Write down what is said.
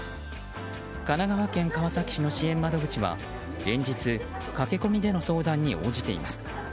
神奈川県川崎市の支援窓口は連日、駆け込みでの相談に応じています。